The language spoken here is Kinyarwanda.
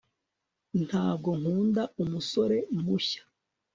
ntabwo nkunda umusore mushya